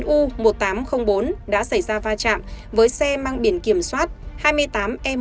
hai mươi chín u một nghìn tám trăm linh bốn đã xảy ra va chạm với xe mang biển kiểm soát hai mươi tám e một một mươi chín nghìn chín trăm sáu mươi bảy